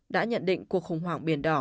đã nhận định cuộc khủng hoảng biển đỏ